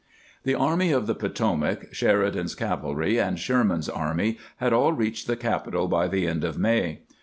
The Army of the Potomac, Sheridan's cavalry, and Sherman's army had all reached the capital by the end of May.